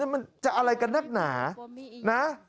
มันจะอะไรกันนักหนานะ